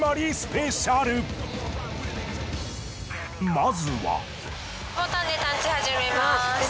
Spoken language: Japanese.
まずは。